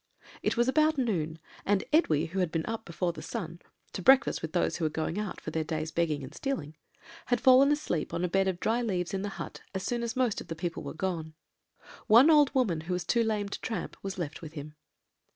It was about noon, and Edwy, who had been up before the sun, to breakfast with those who were going out for their day's begging and stealing, had fallen asleep on a bed of dry leaves in the hut, as soon as most of the people were gone; one old woman, who was too lame to tramp, was left with him.